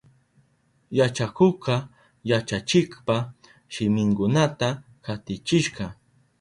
Yachakukka yachachikpa shiminkunata katichishka.